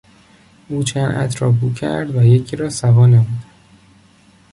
او چند عطر را بو کرد و یکی را سوا نمود.